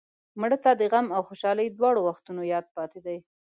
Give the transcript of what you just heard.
مړه ته د غم او خوشحالۍ دواړو وختونو یاد پاتې دی